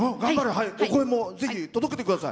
お声もぜひ届けてください。